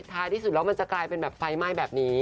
ท้ายที่สุดแล้วมันจะกลายเป็นแบบไฟไหม้แบบนี้